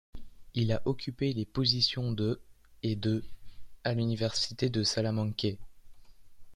Il a occupé les positions de ' et de ' à l'Université de Salamanque.